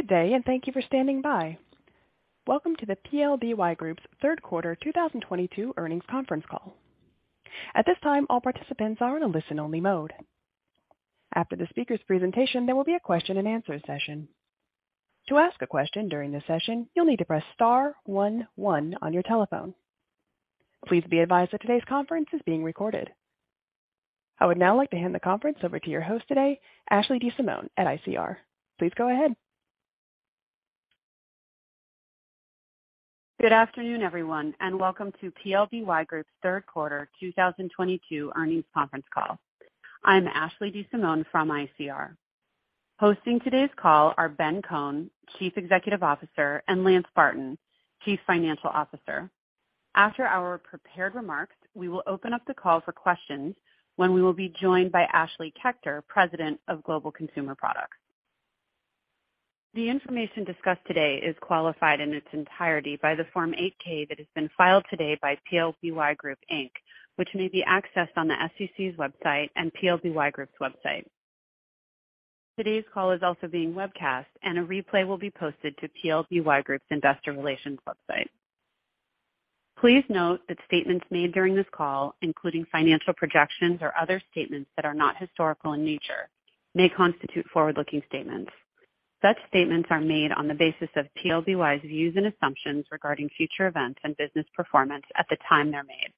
Good day, and thank you for standing by. Welcome to the PLBY Group's third quarter 2022 earnings conference call. At this time, all participants are in a listen-only mode. After the speaker's presentation, there will be a question-and-answer session. To ask a question during this session, you'll need to press star one one on your telephone. Please be advised that today's conference is being recorded. I would now like to hand the conference over to your host today, Ashley DeSimone at ICR. Please go ahead. Good afternoon, everyone, and welcome to PLBY Group's third quarter 2022 earnings conference call. I'm Ashley DeSimone from ICR. Hosting today's call are Ben Kohn, Chief Executive Officer, and Lance Barton, Chief Financial Officer. After our prepared remarks, we will open up the call for questions when we will be joined by Ashley Kechter, President of Global Consumer Products. The information discussed today is qualified in its entirety by the Form 8-K that has been filed today by PLBY Group, Inc, which may be accessed on the SEC's website and PLBY Group's website. Today's call is also being webcast, and a replay will be posted to PLBY Group's Investor Relations website. Please note that statements made during this call, including financial projections or other statements that are not historical in nature, may constitute forward-looking statements. Such statements are made on the basis of PLBY's views and assumptions regarding future events and business performance at the time they're made,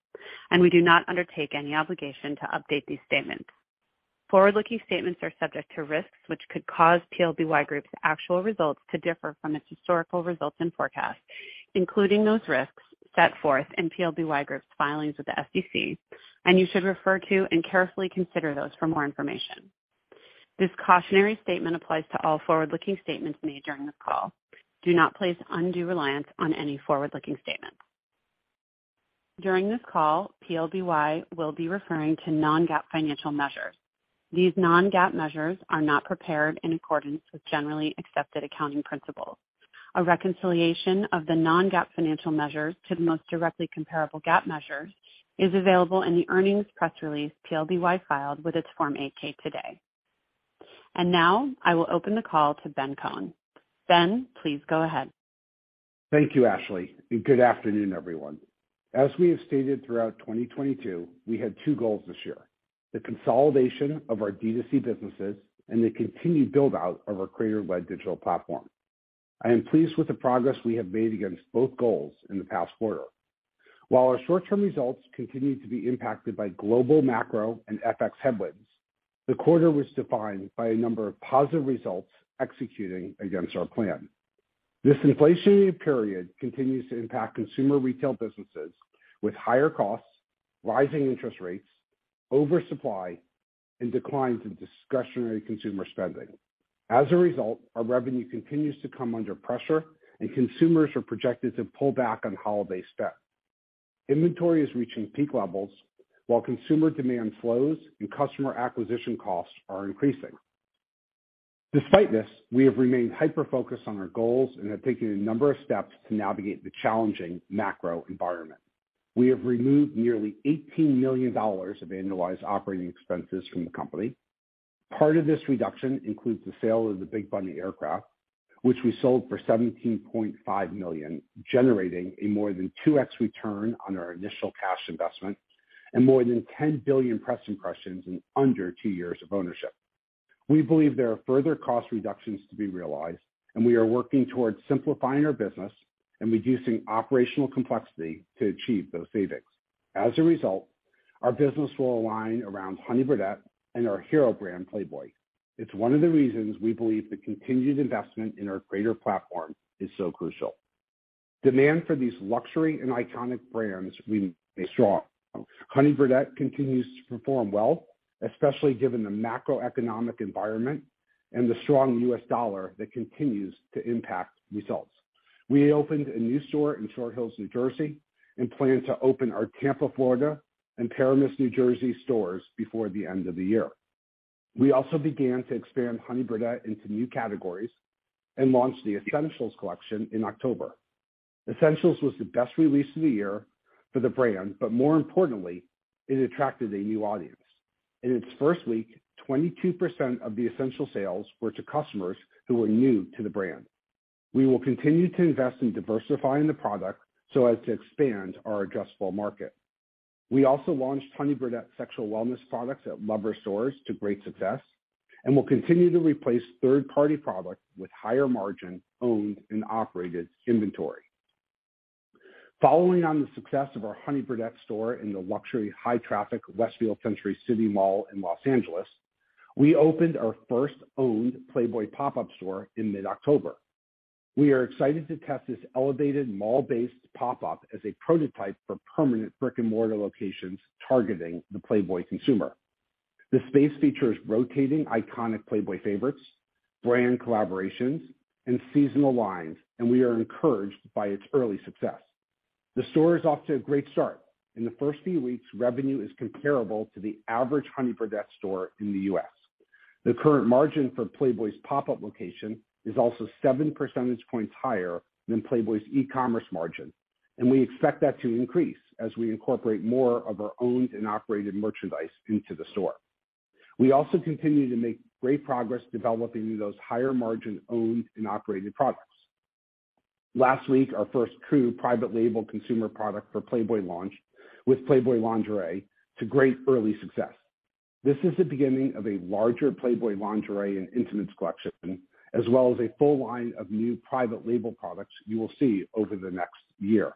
and we do not undertake any obligation to update these statements. Forward-looking statements are subject to risks which could cause PLBY Group's actual results to differ from its historical results and forecasts, including those risks set forth in PLBY Group's filings with the SEC, and you should refer to and carefully consider those for more information. This cautionary statement applies to all forward-looking statements made during this call. Do not place undue reliance on any forward-looking statements. During this call, PLBY will be referring to non-GAAP financial measures. These non-GAAP measures are not prepared in accordance with generally accepted accounting principles. A reconciliation of the non-GAAP financial measures to the most directly comparable GAAP measures is available in the earnings press release PLBY filed with its Form 8-K today. Now I will open the call to Ben Kohn. Ben, please go ahead. Thank you, Ashley, and good afternoon, everyone. As we have stated throughout 2022, we had two goals this year. The consolidation of our D2C businesses and the continued build-out of our creator-led digital platform. I am pleased with the progress we have made against both goals in the past quarter. While our short-term results continued to be impacted by global macro and FX headwinds, the quarter was defined by a number of positive results executing against our plan. This inflationary period continues to impact consumer retail businesses with higher costs, rising interest rates, oversupply, and declines in discretionary consumer spending. As a result, our revenue continues to come under pressure and consumers are projected to pull back on holiday spend. Inventory is reaching peak levels while consumer demand slows and customer acquisition costs are increasing. Despite this, we have remained hyper-focused on our goals and have taken a number of steps to navigate the challenging macro environment. We have removed nearly $18 million of annualized operating expenses from the company. Part of this reduction includes the sale of the Big Bunny aircraft, which we sold for $17.5 million, generating a more than 2x return on our initial cash investment and more than 10 billion press impressions in under two years of ownership. We believe there are further cost reductions to be realized, and we are working towards simplifying our business and reducing operational complexity to achieve those savings. As a result, our business will align around Honey Birdette and our hero brand, Playboy. It's one of the reasons we believe the continued investment in our creator platform is so crucial. Demand for these luxury and iconic brands remains strong. Honey Birdette continues to perform well, especially given the macroeconomic environment and the strong US dollar that continues to impact results. We opened a new store in Short Hills, New Jersey, and plan to open our Tampa, Florida, and Paramus, New Jersey, stores before the end of the year. We also began to expand Honey Birdette into new categories and launched the Essentials collection in October. Essentials was the best release of the year for the brand, but more importantly, it attracted a new audience. In its first week, 22% of the Essentials sales were to customers who were new to the brand. We will continue to invest in diversifying the product so as to expand our addressable market. We also launched Honey Birdette sexual wellness products at Lovers stores to great success, and will continue to replace third-party product with higher margin owned and operated inventory. Following on the success of our Honey Birdette store in the luxury high traffic Westfield Century City Mall in Los Angeles, we opened our first owned Playboy pop-up store in mid-October. We are excited to test this elevated mall-based pop-up as a prototype for permanent brick-and-mortar locations targeting the Playboy consumer. The space features rotating iconic Playboy favorites, brand collaborations, and seasonal lines, and we are encouraged by its early success. The store is off to a great start. In the first few weeks, revenue is comparable to the average Honey Birdette store in the U.S. The current margin for Playboy's pop-up location is also seven percentage points higher than Playboy's e-commerce margin, and we expect that to increase as we incorporate more of our owned and operated merchandise into the store. We also continue to make great progress developing those higher margin owned and operated products. Last week, our first true private label consumer product for Playboy launched with Playboy Lingerie to great early success. This is the beginning of a larger Playboy Lingerie and intimates collection, as well as a full line of new private label products you will see over the next year.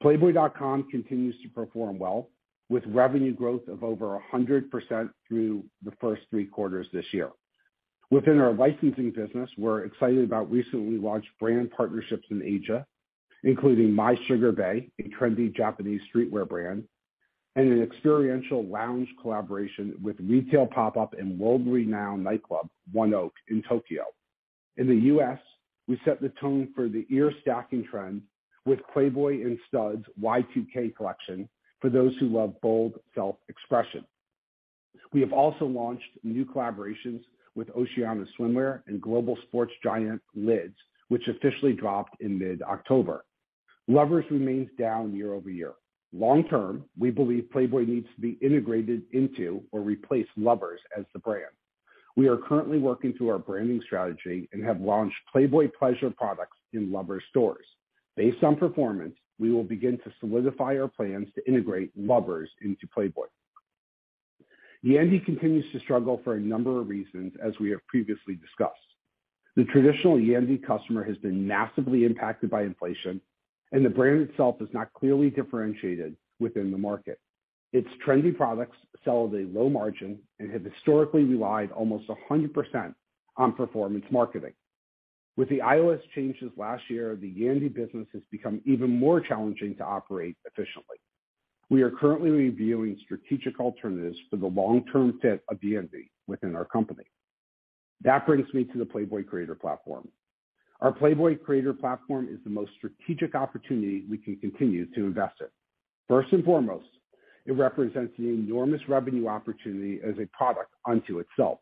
Playboy.com continues to perform well, with revenue growth of over 100% through the first three quarters this year. Within our licensing business, we're excited about recently launched brand partnerships in Asia, including My Sugar Babe, a trendy Japanese streetwear brand, and an experiential lounge collaboration with retail pop-up and world-renowned nightclub, 1OAK in Tokyo. In the U.S., we set the tone for the ear stacking trend with Playboy and Studs' Y2K collection for those who love bold self-expression. We have also launched new collaborations with Oceana Swimwear and global sports giant Lids, which officially dropped in mid-October. Lovers remains down year-over-year. Long-term, we believe Playboy needs to be integrated into or replace Lovers as the brand. We are currently working through our branding strategy and have launched Playboy Pleasure products in Lovers stores. Based on performance, we will begin to solidify our plans to integrate Lovers into Playboy. Yandy continues to struggle for a number of reasons, as we have previously discussed. The traditional Yandy customer has been massively impacted by inflation, and the brand itself is not clearly differentiated within the market. Its trendy products sell at a low margin and have historically relied almost 100% on performance marketing. With the iOS changes last year, the Yandy business has become even more challenging to operate efficiently. We are currently reviewing strategic alternatives for the long-term fit of Yandy within our company. That brings me to the Playboy creator platform. Our Playboy creator platform is the most strategic opportunity we can continue to invest in. First and foremost, it represents an enormous revenue opportunity as a product unto itself.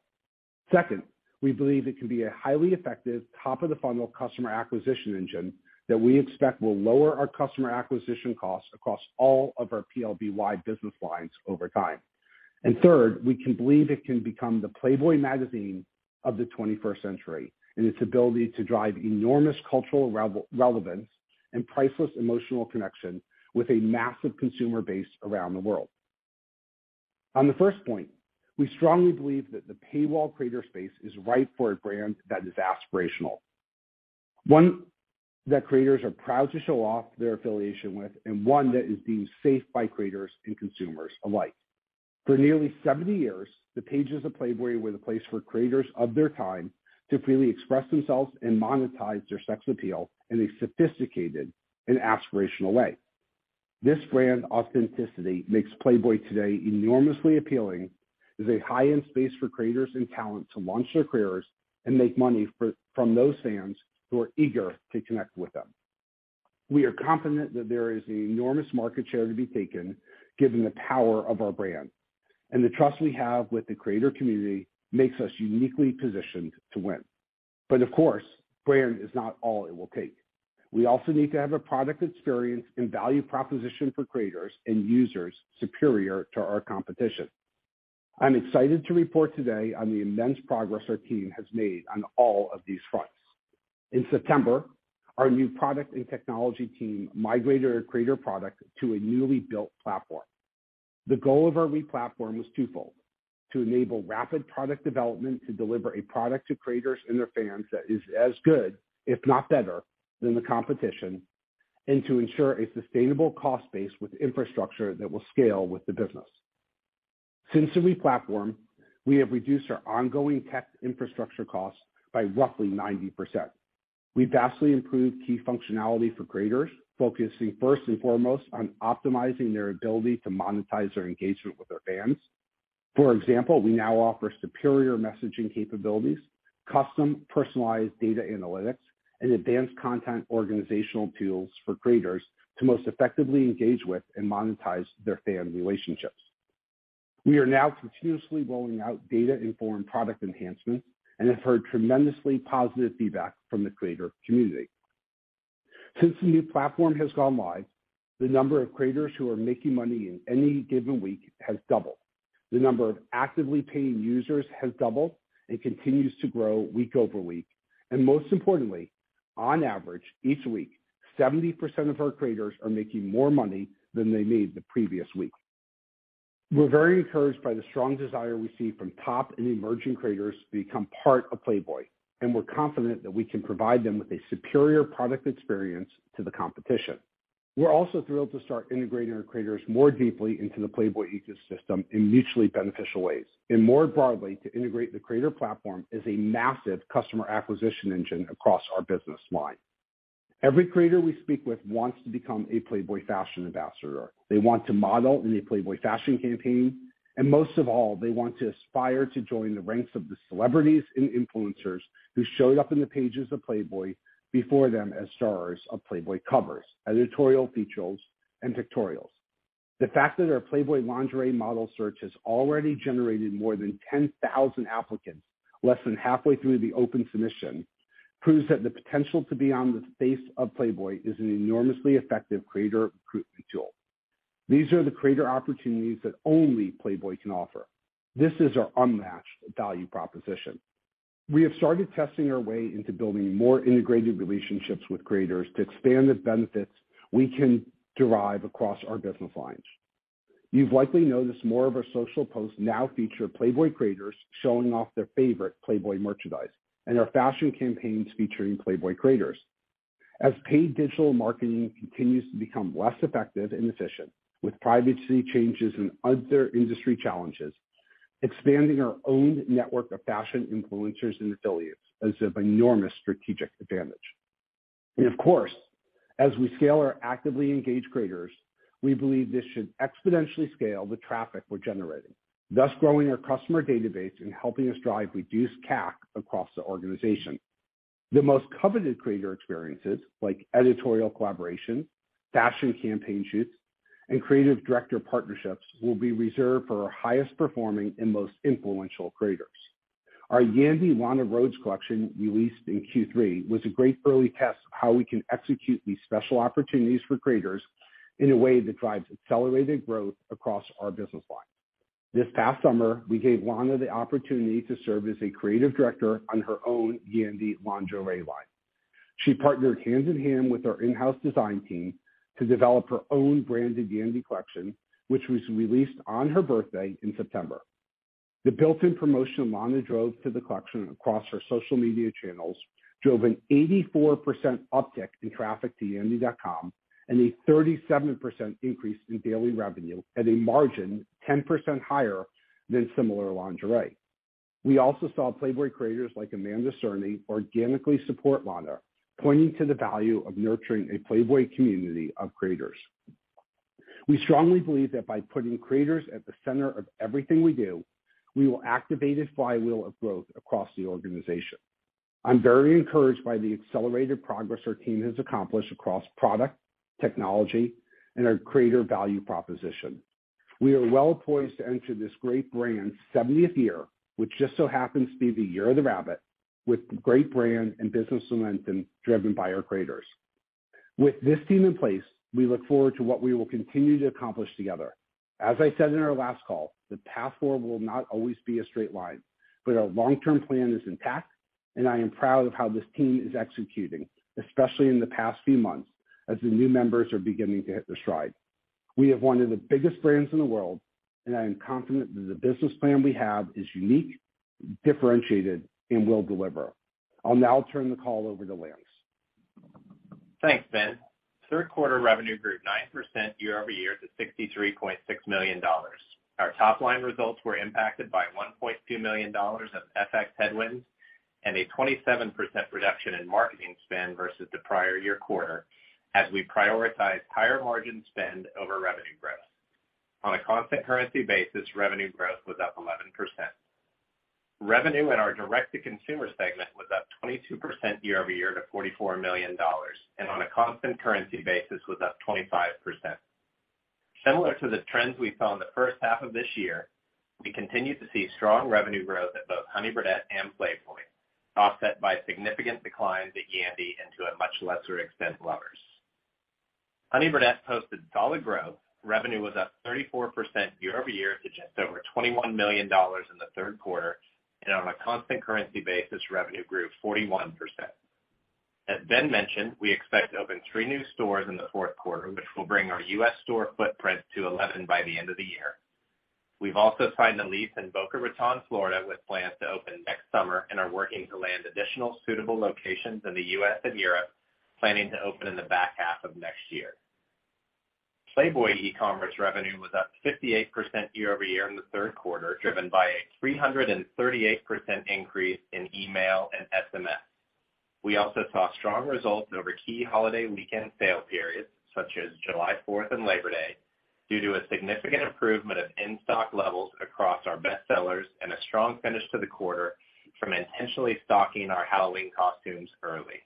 Second, we believe it can be a highly effective top of the funnel customer acquisition engine that we expect will lower our customer acquisition costs across all of our PLBY-wide business lines over time. Third, we can believe it can become the Playboy magazine of the 21st century in its ability to drive enormous cultural relevance and priceless emotional connection with a massive consumer base around the world. On the first point, we strongly believe that the paywall creator space is right for a brand that is aspirational, one that creators are proud to show off their affiliation with, and one that is deemed safe by creators and consumers alike. For nearly 70 years, the pages of Playboy were the place for creators of their time to freely express themselves and monetize their sex appeal in a sophisticated and aspirational way. This brand authenticity makes Playboy today enormously appealing as a high-end space for creators and talent to launch their careers and make money from those fans who are eager to connect with them. We are confident that there is enormous market share to be taken given the power of our brand, and the trust we have with the creator community makes us uniquely positioned to win. Of course, brand is not all it will take. We also need to have a product experience and value proposition for creators and users superior to our competition. I'm excited to report today on the immense progress our team has made on all of these fronts. In September, our new product and technology team migrated our creator product to a newly built platform. The goal of our re-platform was twofold, to enable rapid product development to deliver a product to creators and their fans that is as good, if not better, than the competition, and to ensure a sustainable cost base with infrastructure that will scale with the business. Since the re-platform, we have reduced our ongoing tech infrastructure costs by roughly 90%. We vastly improved key functionality for creators, focusing first and foremost on optimizing their ability to monetize their engagement with their fans. For example, we now offer superior messaging capabilities, custom personalized data analytics, and advanced content organizational tools for creators to most effectively engage with and monetize their fan relationships. We are now continuously rolling out data-informed product enhancements and have heard tremendously positive feedback from the creator community. Since the new platform has gone live, the number of creators who are making money in any given week has doubled. The number of actively paying users has doubled and continues to grow week over week. Most importantly, on average, each week, 70% of our creators are making more money than they made the previous week. We're very encouraged by the strong desire we see from top and emerging creators to become part of Playboy, and we're confident that we can provide them with a superior product experience to the competition. We're also thrilled to start integrating our creators more deeply into the Playboy ecosystem in mutually beneficial ways, and more broadly, to integrate the creator platform as a massive customer acquisition engine across our business line. Every creator we speak with wants to become a Playboy fashion ambassador. They want to model in a Playboy fashion campaign. Most of all, they want to aspire to join the ranks of the celebrities and influencers who showed up in the pages of Playboy before them as stars of Playboy covers, editorial features, and pictorials. The fact that our Playboy Lingerie model search has already generated more than 10,000 applicants less than halfway through the open submission proves that the potential to be on the face of Playboy is an enormously effective creator recruitment tool. These are the creator opportunities that only Playboy can offer. This is our unmatched value proposition. We have started testing our way into building more integrated relationships with creators to expand the benefits we can derive across our business lines. You've likely noticed more of our social posts now feature Playboy creators showing off their favorite Playboy merchandise and our fashion campaigns featuring Playboy creators. As paid digital marketing continues to become less effective and efficient with privacy changes and other industry challenges, expanding our own network of fashion influencers and affiliates is of enormous strategic advantage. Of course, as we scale our actively engaged creators, we believe this should exponentially scale the traffic we're generating, thus growing our customer database and helping us drive reduced CAC across the organization. The most coveted creator experiences, like editorial collaboration, fashion campaign shoots, and creative director partnerships, will be reserved for our highest performing and most influential creators. Our Yandy Lana Rhoades collection, released in Q3, was a great early test of how we can execute these special opportunities for creators in a way that drives accelerated growth across our business lines. This past summer, we gave Lana the opportunity to serve as a creative director on her own Yandy lingerie line. She partnered hand in hand with our in-house design team to develop her own branded Yandy collection, which was released on her birthday in September. The built-in promotion Lana drove to the collection across her social media channels drove an 84% uptick in traffic to Yandy.com and a 37% increase in daily revenue at a margin 10% higher than similar lingerie. We also saw Playboy creators like Amanda Cerny organically support Lana, pointing to the value of nurturing a Playboy community of creators. We strongly believe that by putting creators at the center of everything we do, we will activate a flywheel of growth across the organization. I'm very encouraged by the accelerated progress our team has accomplished across product, technology, and our creator value proposition. We are well poised to enter this great brand's seventieth year, which just so happens to be the Year of the Rabbit, with great brand and business momentum driven by our creators. With this team in place, we look forward to what we will continue to accomplish together. As I said in our last call, the path forward will not always be a straight line, but our long-term plan is intact, and I am proud of how this team is executing, especially in the past few months as the new members are beginning to hit their stride. We have one of the biggest brands in the world, and I am confident that the business plan we have is unique, differentiated, and will deliver. I'll now turn the call over to Lance. Thanks, Ben. Third quarter revenue grew 9% year-over-year to $63.6 million. Our top-line results were impacted by $1.2 million of FX headwinds and a 27% reduction in marketing spend versus the prior year quarter as we prioritized higher margin spend over revenue growth. On a constant currency basis, revenue growth was up 11%. Revenue in our direct-to-consumer segment was up 22% year-over-year to $44 million, and on a constant currency basis was up 25%. Similar to the trends we saw in the first half of this year, we continue to see strong revenue growth at both Honey Birdette and Playboy, offset by significant declines at Yandy and to a much lesser extent, Lovers. Honey Birdette posted solid growth. Revenue was up 34% year-over-year to just over $21 million in the third quarter. On a constant currency basis, revenue grew 41%. As Ben mentioned, we expect to open three new stores in the fourth quarter, which will bring our U.S. store footprint to 11 by the end of the year. We've also signed a lease in Boca Raton, Florida, with plans to open next summer and are working to land additional suitable locations in the U.S. and Europe, planning to open in the back half of next year. Playboy e-commerce revenue was up 58% year-over-year in the third quarter, driven by a 338% increase in email and SMS. We also saw strong results over key holiday weekend sale periods, such as July Fourth and Labor Day, due to a significant improvement of in-stock levels across our bestsellers and a strong finish to the quarter from intentionally stocking our Halloween costumes early.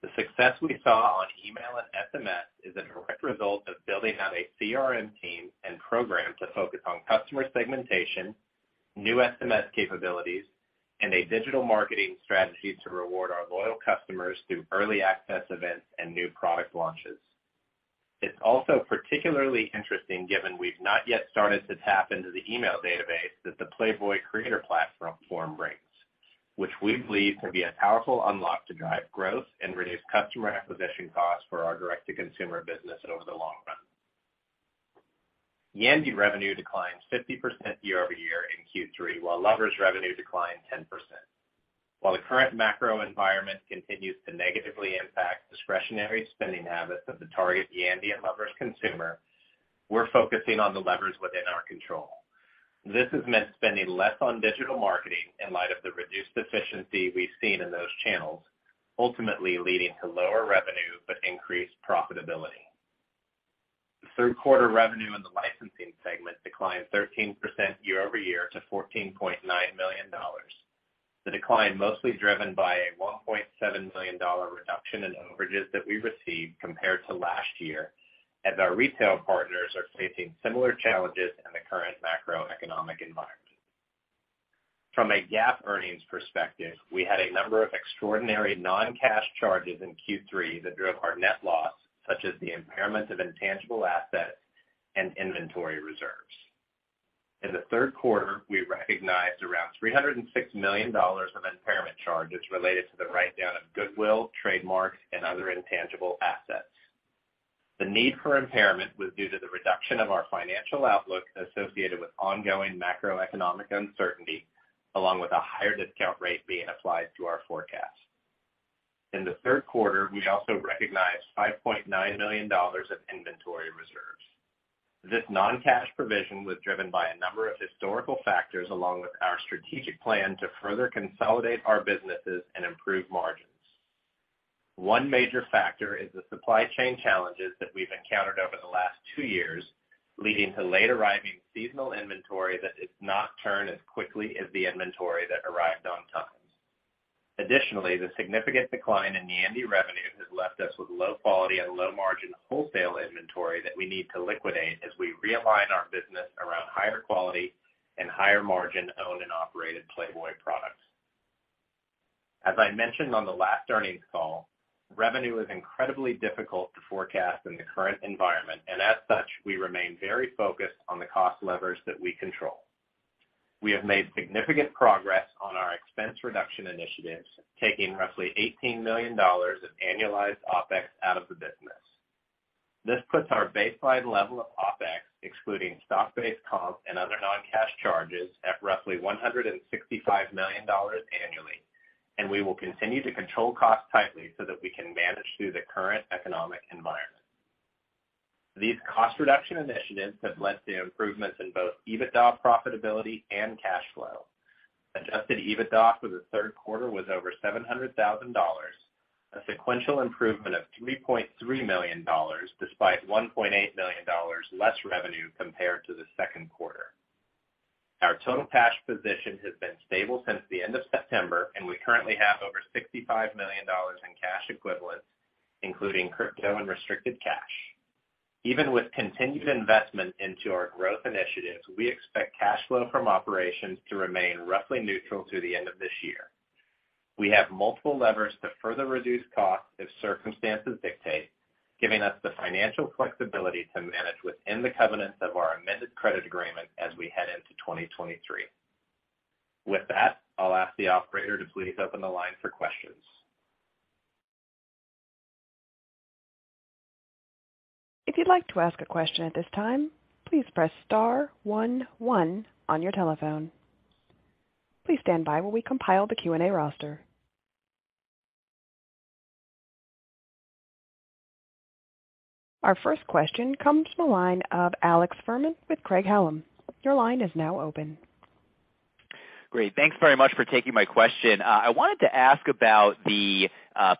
The success we saw on email and SMS is a direct result of building out a CRM team and program to focus on customer segmentation, new SMS capabilities, and a digital marketing strategy to reward our loyal customers through early access events and new product launches. It's also particularly interesting given we've not yet started to tap into the email database that the Playboy creator platform brings, which we believe can be a powerful unlock to drive growth and reduce customer acquisition costs for our direct-to-consumer business over the long run. Yandy revenue declined 50% year-over-year in Q3, while Lovers revenue declined 10%. While the current macro environment continues to negatively impact discretionary spending habits of the target Yandy and Lovers consumer, we're focusing on the levers within our control. This has meant spending less on digital marketing in light of the reduced efficiency we've seen in those channels, ultimately leading to lower revenue but increased profitability. The third quarter revenue in the licensing segment declined 13% year-over-year to $14.9 million. The decline mostly driven by a $1.7 million reduction in overages that we received compared to last year. As our retail partners are facing similar challenges in the current macroeconomic environment. From a GAAP earnings perspective, we had a number of extraordinary non-cash charges in Q3 that drove our net loss, such as the impairment of intangible assets and inventory reserves. In the third quarter, we recognized around $306 million of impairment charges related to the write-down of goodwill, trademarks, and other intangible assets. The need for impairment was due to the reduction of our financial outlook associated with ongoing macroeconomic uncertainty, along with a higher discount rate being applied to our forecast. In the third quarter, we also recognized $5.9 million of inventory reserves. This non-cash provision was driven by a number of historical factors, along with our strategic plan to further consolidate our businesses and improve margins. One major factor is the supply chain challenges that we've encountered over the last two years, leading to late-arriving seasonal inventory that does not turn as quickly as the inventory that arrived on time. Additionally, the significant decline in the Yandy revenue has left us with low quality and low margin wholesale inventory that we need to liquidate as we realign our business around higher quality and higher margin owned and operated Playboy products. As I mentioned on the last earnings call, revenue is incredibly difficult to forecast in the current environment, and as such, we remain very focused on the cost levers that we control. We have made significant progress on our expense reduction initiatives, taking roughly $18 million of annualized OpEx out of the business. This puts our baseline level of OpEx, excluding stock-based comp and other non-cash charges, at roughly $165 million annually, and we will continue to control costs tightly so that we can manage through the current economic environment. These cost reduction initiatives have led to improvements in both EBITDA profitability and cash flow. Adjusted EBITDA for the third quarter was over $700,000, a sequential improvement of $3.3 million, despite $1.8 million less revenue compared to the second quarter. Our total cash position has been stable since the end of September, and we currently have over $65 million in cash equivalents, including crypto and restricted cash. Even with continued investment into our growth initiatives, we expect cash flow from operations to remain roughly neutral through the end of this year. We have multiple levers to further reduce costs if circumstances dictate, giving us the financial flexibility to manage within the covenants of our amended credit agreement as we head into 2023. With that, I'll ask the operator to please open the line for questions. If you'd like to ask a question at this time, please press star one one on your telephone. Please stand by while we compile the Q&A roster. Our first question comes from the line of Alex Fuhrman with Craig-Hallum. Your line is now open. Great. Thanks very much for taking my question. I wanted to ask about the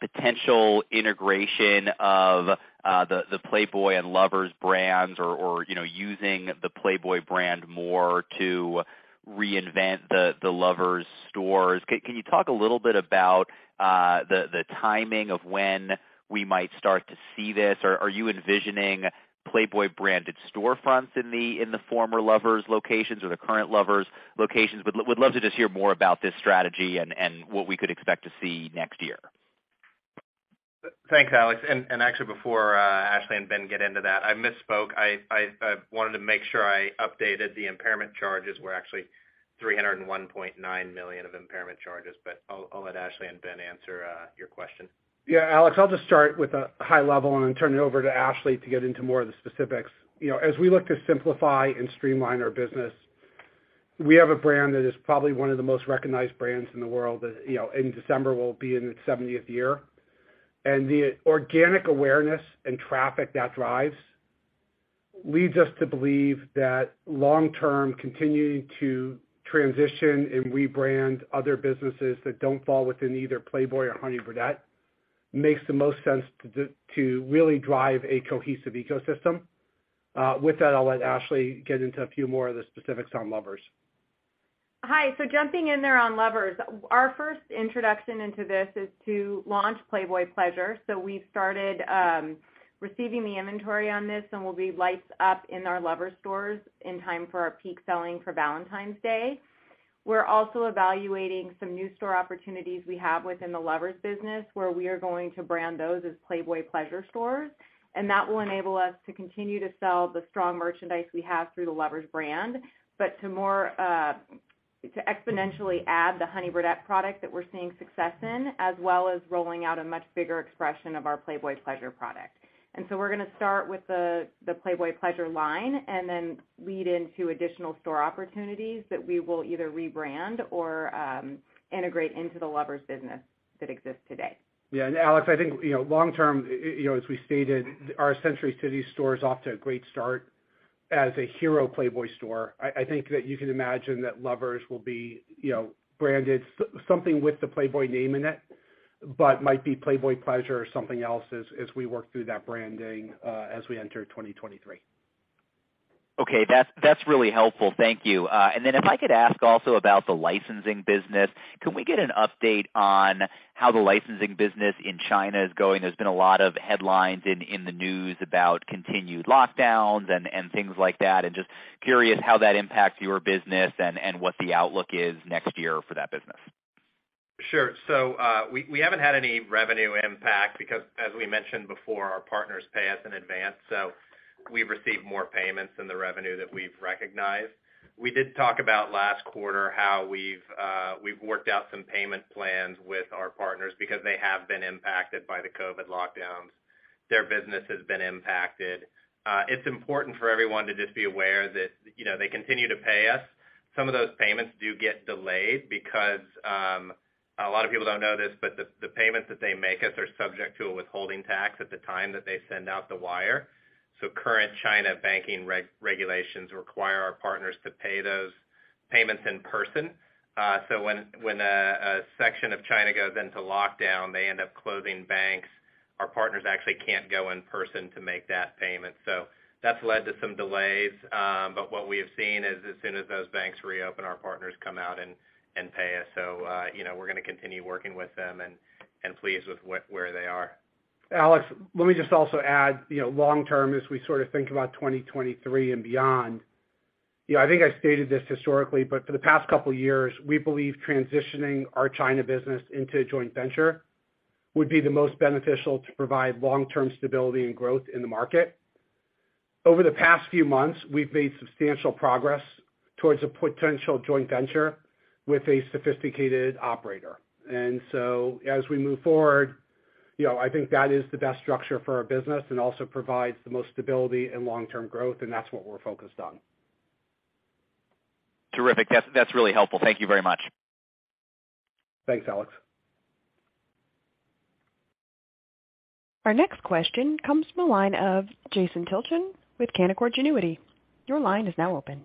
potential integration of the Playboy and Lovers brands or, you know, using the Playboy brand more to reinvent the Lovers stores. Can you talk a little bit about the timing of when we might start to see this? Or, are you envisioning Playboy-branded storefronts in the former Lovers locations or the current Lovers locations? Would love to just hear more about this strategy and what we could expect to see next year. Thanks, Alex. Actually, before Ashley and Ben get into that, I misspoke. I wanted to make sure I updated the impairment charges were actually $301.9 million of impairment charges, but I'll let Ashley and Ben answer your question. Yeah, Alex, I'll just start with a high level and then turn it over to Ashley to get into more of the specifics. You know, as we look to simplify and streamline our business, we have a brand that is probably one of the most recognized brands in the world. That, you know, in December, will be in its 70th year. The organic awareness and traffic that drives, leads us to believe that long term, continuing to transition and rebrand other businesses that don't fall within either Playboy or Honey Birdette makes the most sense to really drive a cohesive ecosystem. With that, I'll let Ashley get into a few more of the specifics on Lovers. Hi. Jumping in there on Lovers. Our first introduction into this is to launch Playboy Pleasure. We started receiving the inventory on this, and we'll light up in our Lovers stores in time for our peak selling for Valentine's Day. We're also evaluating some new store opportunities we have within the Lovers business, where we are going to brand those as Playboy Pleasure stores. That will enable us to continue to sell the strong merchandise we have through the Lovers brand, but to exponentially add the Honey Birdette product that we're seeing success in, as well as rolling out a much bigger expression of our Playboy Pleasure product. We're gonna start with the Playboy Pleasure line and then lead into additional store opportunities that we will either rebrand or integrate into the Lovers business that exists today. Yeah. Alex, I think, you know, long term, you know, as we stated, our Century City store is off to a great start as a hero Playboy store. I think that you can imagine that Lovers will be, you know, branded something with the Playboy name in it, but might be Playboy Pleasure or something else as we work through that branding, as we enter 2023. Okay, that's really helpful. Thank you. If I could ask also about the licensing business, can we get an update on how the licensing business in China is going? There's been a lot of headlines in the news about continued lockdowns and things like that. I'm just curious how that impacts your business and what the outlook is next year for that business. Sure. We haven't had any revenue impact because, as we mentioned before, our partners pay us in advance. We've received more payments than the revenue that we've recognized. We did talk about last quarter how we've worked out some payment plans with our partners because they have been impacted by the COVID lockdowns. Their business has been impacted. It's important for everyone to just be aware that, you know, they continue to pay us. Some of those payments do get delayed because a lot of people don't know this, but the payments that they make us are subject to a withholding tax at the time that they send out the wire. Current China banking regulations require our partners to pay those payments in person. When a section of China goes into lockdown, they end up closing banks. Our partners actually can't go in person to make that payment. That's led to some delays. What we have seen is as soon as those banks reopen, our partners come out and pay us. You know, we're gonna continue working with them and pleased with where they are. Alex, let me just also add, you know, long term, as we sort of think about 2023 and beyond, you know, I think I stated this historically, but for the past couple years, we believe transitioning our China business into a joint venture would be the most beneficial to provide long-term stability and growth in the market. Over the past few months, we've made substantial progress towards a potential joint venture with a sophisticated operator. As we move forward, you know, I think that is the best structure for our business and also provides the most stability and long-term growth, and that's what we're focused on. Terrific. That's really helpful. Thank you very much. Thanks, Alex. Our next question comes from the line of Jason Tilchen with Canaccord Genuity. Your line is now open.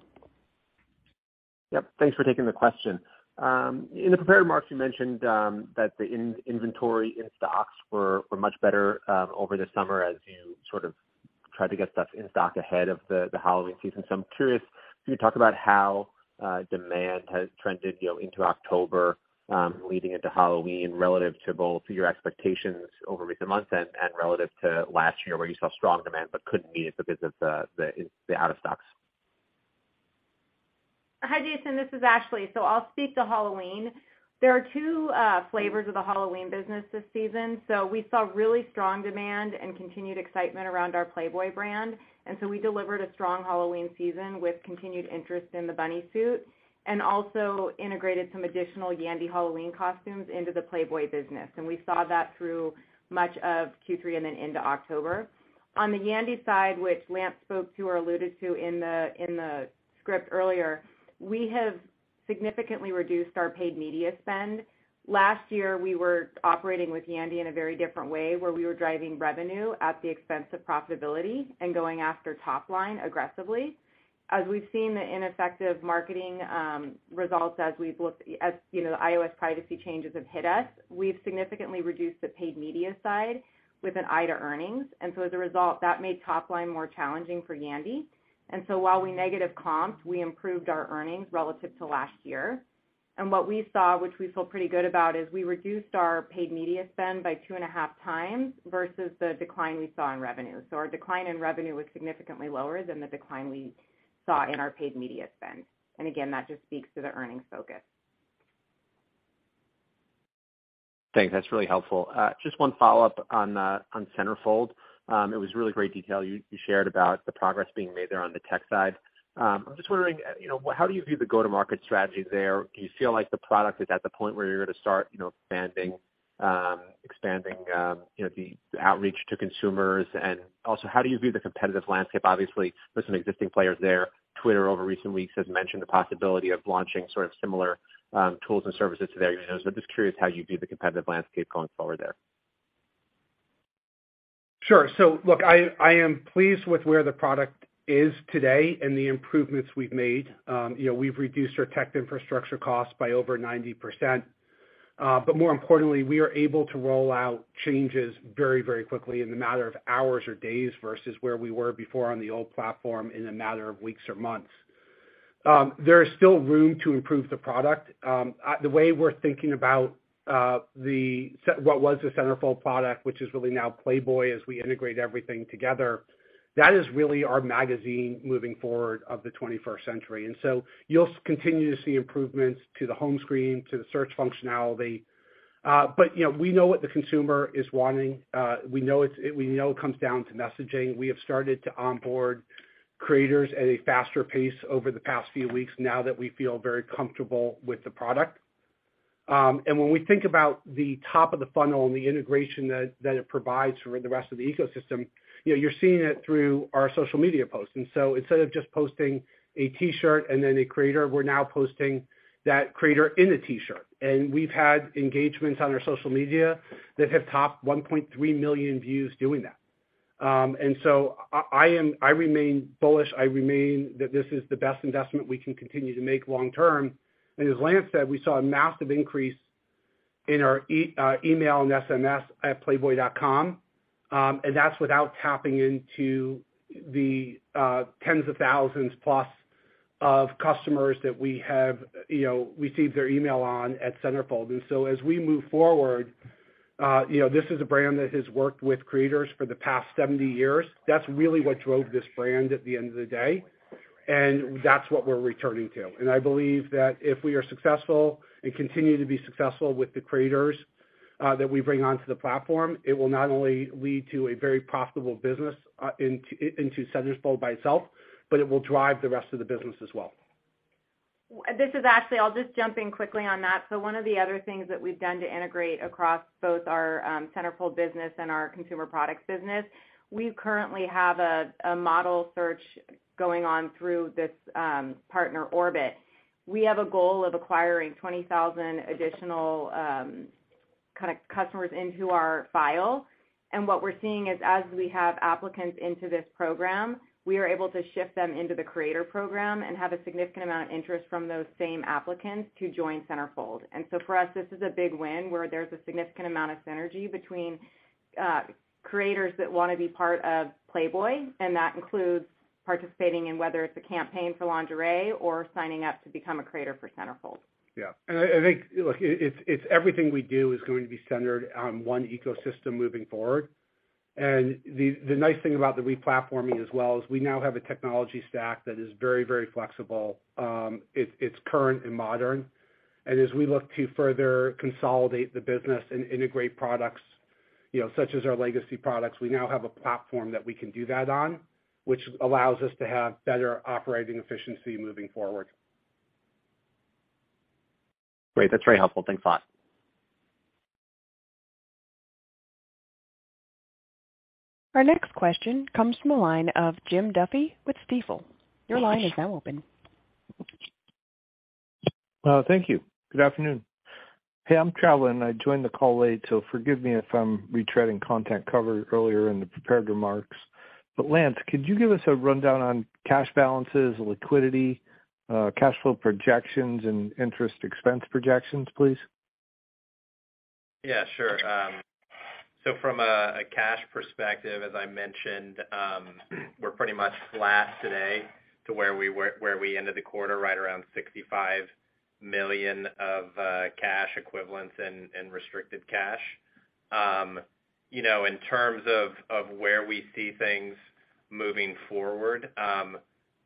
Yep. Thanks for taking the question. In the prepared remarks, you mentioned that the inventory in stocks were much better over the summer as you sort of tried to get stuff in stock ahead of the Halloween season. I'm curious, if you could talk about how demand has trended, you know, into October leading into Halloween relative to both your expectations over recent months and relative to last year where you saw strong demand but couldn't meet it because of the out-of-stocks. Hi, Jason. This is Ashley. I'll speak to Halloween. There are two flavors of the Halloween business this season. We saw really strong demand and continued excitement around our Playboy brand, and so we delivered a strong Halloween season with continued interest in the bunny suit, and also integrated some additional Yandy Halloween costumes into the Playboy business. We saw that through much of Q3 and then into October. On the Yandy side, which Lance spoke to or alluded to in the script earlier, we have significantly reduced our paid media spend. Last year, we were operating with Yandy in a very different way, where we were driving revenue at the expense of profitability and going after top line aggressively. As we've seen the ineffective marketing results as, you know, the iOS privacy changes have hit us, we've significantly reduced the paid media side with an eye to earnings. As a result, that made top line more challenging for Yandy. While we negative comped, we improved our earnings relative to last year. What we saw, which we feel pretty good about, is we reduced our paid media spend by 2.5x versus the decline we saw in revenue. Our decline in revenue was significantly lower than the decline we saw in our paid media spend. Again, that just speaks to the earnings focus. Thanks. That's really helpful. Just one follow-up on Centerfold. It was really great detail you shared about the progress being made there on the tech side. I'm just wondering, you know, how do you view the go-to-market strategy there? Do you feel like the product is at the point where you're gonna start, you know, expanding, you know, the outreach to consumers? Also, how do you view the competitive landscape? Obviously, there's some existing players there. Twitter, over recent weeks, has mentioned the possibility of launching sort of similar tools and services to their users. I'm just curious how you view the competitive landscape going forward there. Sure. Look, I am pleased with where the product is today and the improvements we've made. You know, we've reduced our tech infrastructure costs by over 90%. More importantly, we are able to roll out changes very, very quickly in a matter of hours or days versus where we were before on the old platform in a matter of weeks or months. There is still room to improve the product. The way we're thinking about what was the Centerfold product, which is really now Playboy as we integrate everything together, that is really our magazine moving forward of the 21st century. You'll continue to see improvements to the home screen, to the search functionality. You know, we know what the consumer is wanting. We know it comes down to messaging. We have started to onboard creators at a faster pace over the past few weeks now that we feel very comfortable with the product. When we think about the top of the funnel and the integration that it provides for the rest of the ecosystem, you know, you're seeing it through our social media posts. Instead of just posting a T-shirt and then a creator, we're now posting that creator in a T-shirt. We've had engagements on our social media that have topped 1.3 million views doing that. I remain bullish that this is the best investment we can continue to make long term. As Lance said, we saw a massive increase in our email and SMS at Playboy.com. That's without tapping into the tens of thousands plus of customers that we have, you know, received their email on at Centerfold. As we move forward, you know, this is a brand that has worked with creators for the past 70 years. That's really what drove this brand at the end of the day, and that's what we're returning to. I believe that if we are successful and continue to be successful with the creators that we bring onto the platform, it will not only lead to a very profitable business into Centerfold by itself, but it will drive the rest of the business as well. This is Ashley. I'll just jump in quickly on that. One of the other things that we've done to integrate across both our Centerfold business and our consumer products business, we currently have a model search going on through this partner, Orbiiit. We have a goal of acquiring 20,000 additional kind of customers into our file. What we're seeing is, as we have applicants into this program, we are able to shift them into the creator program and have a significant amount of interest from those same applicants to join Centerfold. For us, this is a big win where there's a significant amount of synergy between creators that wanna be part of Playboy, and that includes participating in whether it's a campaign for lingerie or signing up to become a creator for Centerfold. Yeah. I think, look, it's everything we do is going to be centered on one ecosystem moving forward. The nice thing about the replatforming as well is we now have a technology stack that is very, very flexible. It's current and modern. As we look to further consolidate the business and integrate products, you know, such as our legacy products, we now have a platform that we can do that on, which allows us to have better operating efficiency moving forward. Great. That's very helpful. Thanks a lot. Our next question comes from the line of Jim Duffy with Stifel. Your line is now open. Thank you. Good afternoon. Hey, I'm traveling. I joined the call late, so forgive me if I'm retreading content covered earlier in the prepared remarks. Lance, could you give us a rundown on cash balances, liquidity, cash flow projections, and interest expense projections, please? Yeah, sure. From a cash perspective, as I mentioned, we're pretty much flat today to where we ended the quarter, right around $65 million of cash equivalents and restricted cash. You know, in terms of where we see things moving forward,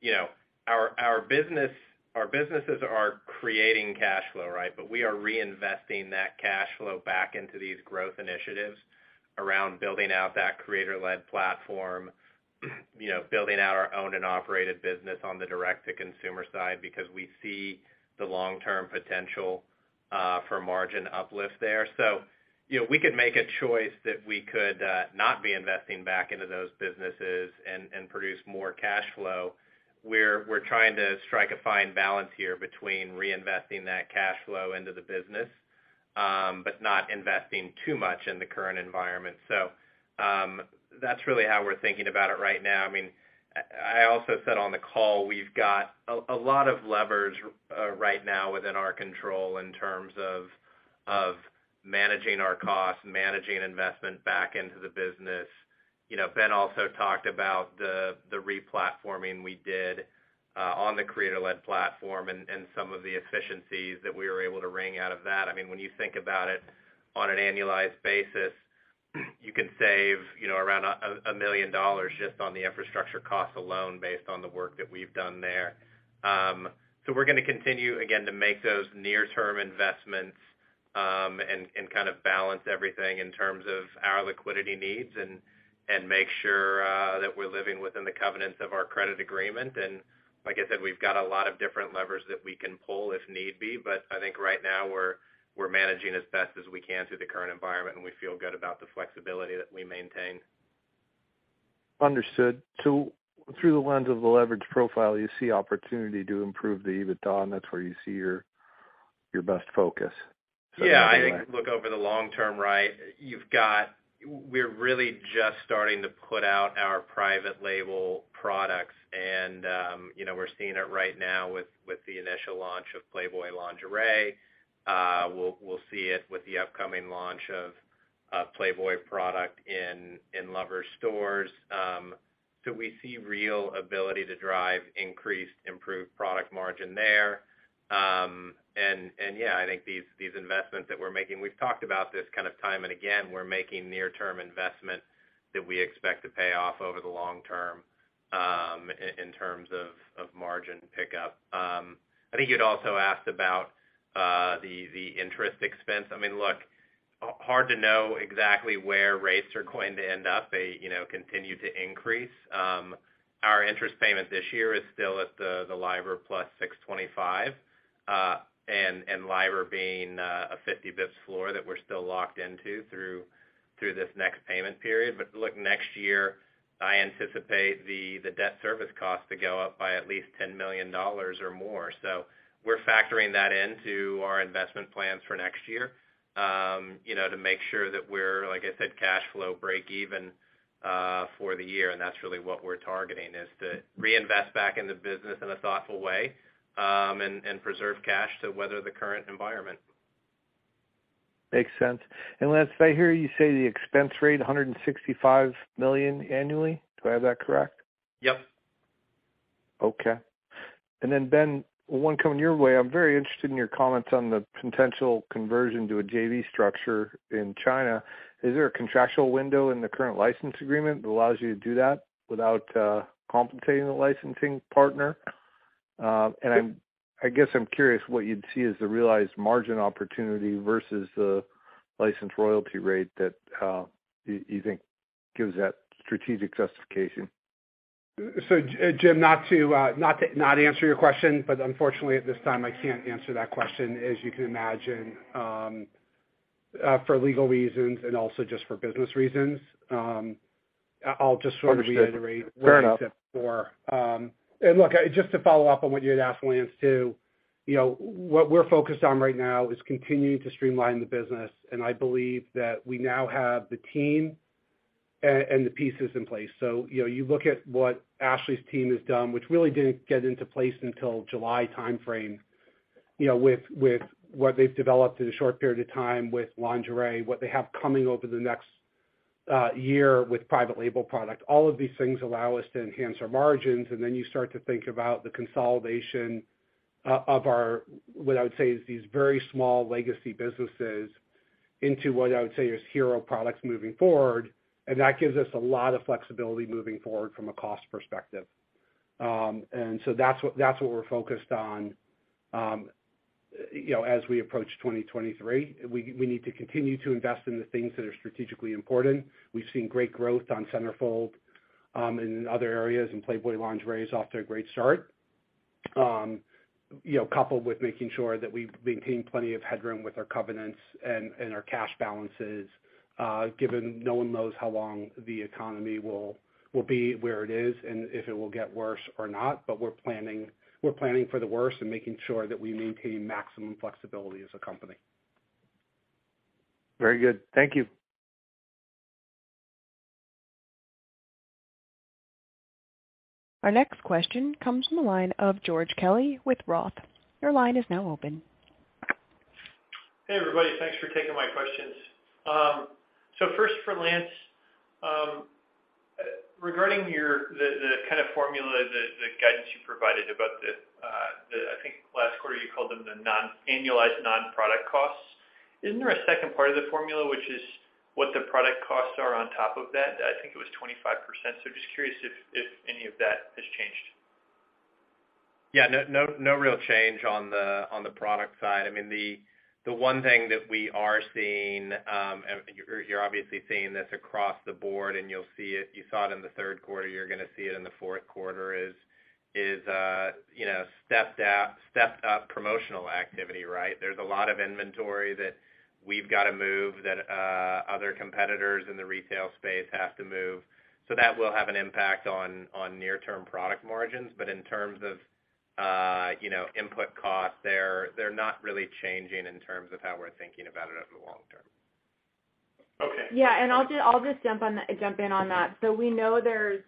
you know, our businesses are creating cash flow, right? But we are reinvesting that cash flow back into these growth initiatives around building out that creator-led platform, you know, building out our owned and operated business on the direct-to-consumer side because we see the long-term potential for margin uplift there. You know, we could make a choice that we could not be investing back into those businesses and produce more cash flow. We're trying to strike a fine balance here between reinvesting that cash flow into the business, but not investing too much in the current environment. That's really how we're thinking about it right now. I mean, I also said on the call, we've got a lot of levers right now within our control in terms of managing our costs, managing investment back into the business. You know, Ben also talked about the replatforming we did on the creator-led platform and some of the efficiencies that we were able to wring out of that. I mean, when you think about it, on an annualized basis, you can save, you know, around $1 million just on the infrastructure costs alone based on the work that we've done there. We're gonna continue, again, to make those near-term investments, and kind of balance everything in terms of our liquidity needs and make sure that we're living within the covenants of our credit agreement. Like I said, we've got a lot of different levers that we can pull if need be, but I think right now we're managing as best as we can through the current environment, and we feel good about the flexibility that we maintain. Understood. Through the lens of the leverage profile, you see opportunity to improve the EBITDA, and that's where you see your best focus, something like that? Yeah. I think look over the long term, right? We're really just starting to put out our private label products, and you know, we're seeing it right now with the initial launch of Playboy Lingerie. We'll see it with the upcoming launch of Playboy Pleasure in Lovers stores. We see real ability to drive increased, improved product margin there. Yeah, I think these investments that we're making. We've talked about this kind of time and again. We're making near-term investment that we expect to pay off over the long term, in terms of margin pickup. I think you'd also asked about the interest expense. I mean, look, hard to know exactly where rates are going to end up. They continue to increase. Our interest payment this year is still at the LIBOR +625, and LIBOR being a 50 basis points floor that we're still locked into through this next payment period. Look, next year, I anticipate the debt service cost to go up by at least $10 million or more. We're factoring that into our investment plans for next year, you know, to make sure that we're, like I said, cash flow breakeven for the year, and that's really what we're targeting, is to reinvest back in the business in a thoughtful way, and preserve cash to weather the current environment. Makes sense. Lance, did I hear you say the expense rate, $165 million annually? Do I have that correct? Yep. Okay. Ben, one coming your way. I'm very interested in your comments on the potential conversion to a JV structure in China. Is there a contractual window in the current license agreement that allows you to do that without compensating the licensing partner? I guess I'm curious what you'd see as the realized margin opportunity versus the license royalty rate that you think gives that strategic justification. Jim, not to not answer your question, but unfortunately, at this time, I can't answer that question, as you can imagine, for legal reasons and also just for business reasons. I'll just sort of reiterate. Understood. Fair enough. Look, just to follow up on what you had asked Lance too, you know, what we're focused on right now is continuing to streamline the business, and I believe that we now have the team and the pieces in place. You know, you look at what Ashley's team has done, which really didn't get into place until July timeframe, you know, with what they've developed in a short period of time with lingerie, what they have coming over the next year with private label product. All of these things allow us to enhance our margins, and then you start to think about the consolidation of our, what I would say, is these very small legacy businesses into what I would say is hero products moving forward, and that gives us a lot of flexibility moving forward from a cost perspective. That's what we're focused on, you know, as we approach 2023. We need to continue to invest in the things that are strategically important. We've seen great growth on Centerfold, in other areas, and Playboy Lingerie is off to a great start. You know, coupled with making sure that we've maintained plenty of headroom with our covenants and our cash balances, given no one knows how long the economy will be where it is and if it will get worse or not. We're planning for the worst and making sure that we maintain maximum flexibility as a company. Very good. Thank you. Our next question comes from the line of George Kelly with Roth. Your line is now open. Hey, everybody. Thanks for taking my questions. First for Lance, regarding your guidance you provided about the, I think last quarter you called them the non-annualized non-product costs. Isn't there a second part of the formula, which is what the product costs are on top of that? I think it was 25%. Just curious if any of that has changed. Yeah. No real change on the product side. I mean, the one thing that we are seeing, and you're obviously seeing this across the board and you'll see it, you saw it in the third quarter, you're gonna see it in the fourth quarter, is you know, stepped up promotional activity, right? There's a lot of inventory that we've got to move that other competitors in the retail space have to move. So that will have an impact on near-term product margins. But in terms of you know, input costs, they're not really changing in terms of how we're thinking about it over the long term. Okay. Yeah. I'll just jump in on that. We know there's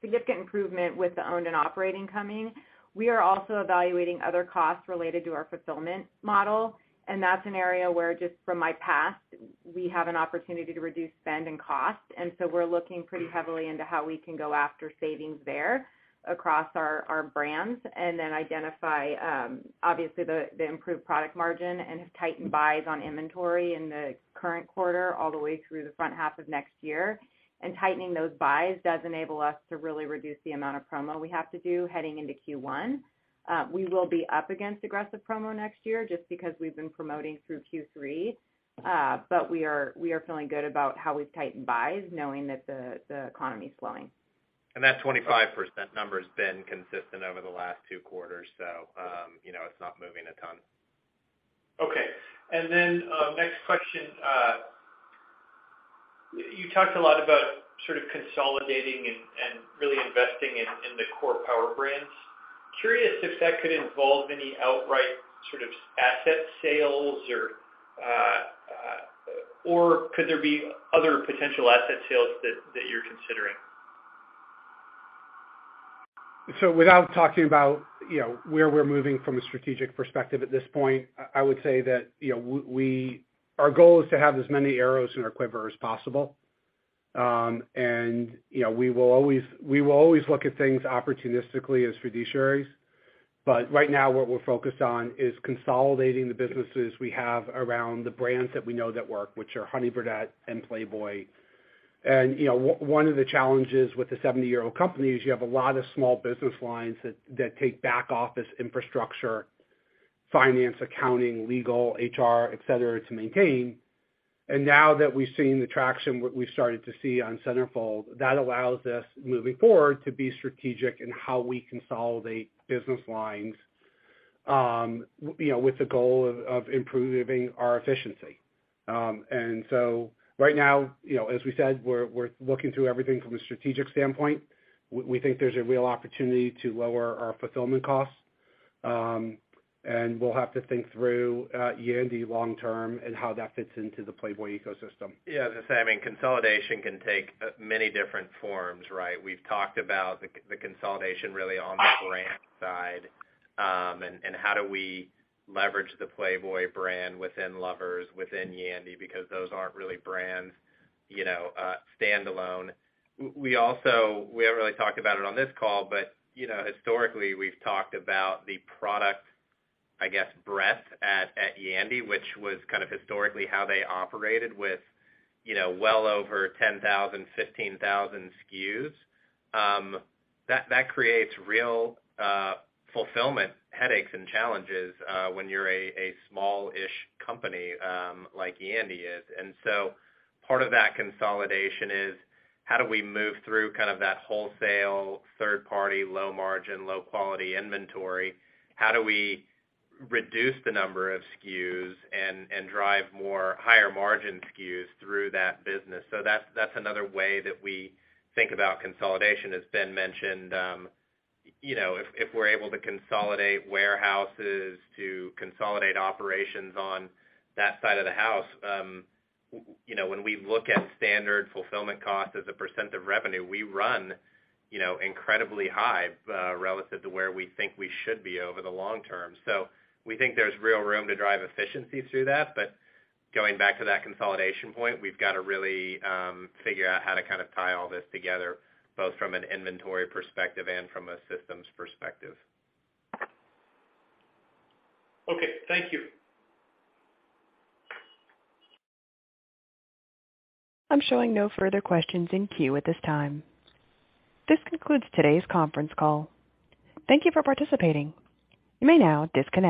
significant improvement with the owned and operated coming. We are also evaluating other costs related to our fulfillment model, and that's an area where, just from my past, we have an opportunity to reduce spend and cost. We're looking pretty heavily into how we can go after savings there across our brands and then identify obviously the improved product margin and have tightened buys on inventory in the current quarter all the way through the front half of next year. Tightening those buys does enable us to really reduce the amount of promo we have to do heading into Q1. We will be up against aggressive promo next year just because we've been promoting through Q3. We are feeling good about how we've tightened buys knowing that the economy is slowing. That 25% number has been consistent over the last two quarters. You know, it's not moving a ton. Okay. Next question. You talked a lot about sort of consolidating and really investing in the core power brands. Curious if that could involve any outright sort of asset sales or could there be other potential asset sales that you're considering? Without talking about, you know, where we're moving from a strategic perspective at this point, I would say that, you know, our goal is to have as many arrows in our quiver as possible. You know, we will always look at things opportunistically as fiduciaries. Right now, what we're focused on is consolidating the businesses we have around the brands that we know that work, which are Honey Birdette and Playboy. You know, one of the challenges with a seventy-year-old company is you have a lot of small business lines that take back office infrastructure, finance, accounting, legal, HR, et cetera, to maintain. Now that we've seen the traction, what we've started to see on Centerfold, that allows us, moving forward, to be strategic in how we consolidate business lines, you know, with the goal of improving our efficiency. Right now, you know, as we said, we're looking through everything from a strategic standpoint. We think there's a real opportunity to lower our fulfillment costs, and we'll have to think through Yandy long-term and how that fits into the Playboy ecosystem. Yeah. As I say, I mean, consolidation can take many different forms, right? We've talked about the consolidation really on the brand side, and how do we leverage the Playboy brand within Lovers, within Yandy, because those aren't really brands, you know, standalone. We also haven't really talked about it on this call, but, you know, historically, we've talked about the product, I guess, breadth at Yandy, which was kind of historically how they operated with, you know, well over 10,000, 15,000 SKUs. That creates real fulfillment headaches and challenges when you're a small-ish company like Yandy is. Part of that consolidation is how do we move through kind of that wholesale, third party, low margin, low quality inventory? How do we reduce the number of SKUs and drive more higher margin SKUs through that business? That's another way that we think about consolidation. As Ben mentioned, you know, if we're able to consolidate warehouses to consolidate operations on that side of the house, you know, when we look at standard fulfillment cost as a percent of revenue, we run, you know, incredibly high relative to where we think we should be over the long term. We think there's real room to drive efficiency through that. Going back to that consolidation point, we've gotta really figure out how to kind of tie all this together, both from an inventory perspective and from a systems perspective. Okay, thank you. I'm showing no further questions in queue at this time. This concludes today's conference call. Thank you for participating. You may now disconnect.